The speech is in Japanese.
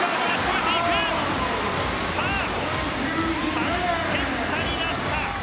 ３点差になった。